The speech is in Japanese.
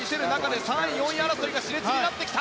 ３位、４位争いが熾烈になってきた。